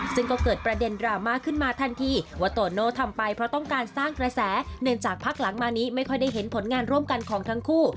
ซึ่งก็เกิดประเด็นดราม่าขึ้นมาทันทีว่าโตโน่ทำไปเพราะต้องการสร้างกระแสเนื่องจากพักหลังมานี้ไม่ค่อยได้เห็นผลงานร่วมกันของทั้งคู่